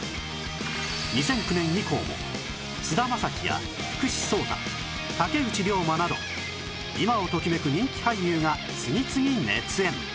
２００９年以降も菅田将暉や福士蒼汰竹内涼真など今をときめく人気俳優が次々熱演